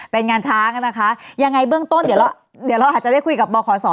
เป็นงานช้ากันนะคะยังไงเบื้องต้นเดี๋ยวเราเดี๋ยวเราอาจจะได้คุยกับบขสหรือ